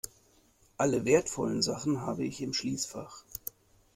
Alle wertvollen Sachen habe ich im Schließfach.